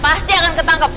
pasti akan ketangkep